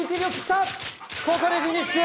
ここでフィニッシュ！